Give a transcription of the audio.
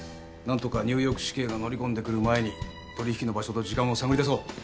何とかニューヨーク市警が乗り込んでくる前に取引の場所と時間を探りだそう。